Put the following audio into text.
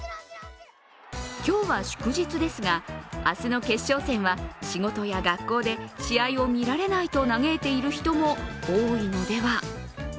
今日は祝日ですが、明日の決勝戦は仕事や学校で試合を見られないと嘆いている人も多いのでは。